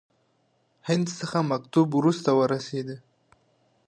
هند څخه مکتوب ورته ورسېدی.